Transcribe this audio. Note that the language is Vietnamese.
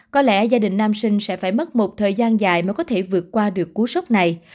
có lẽ gia đình nam sinh sẽ phải mất một thời gian dài mới có thể vượt qua được cú sốc này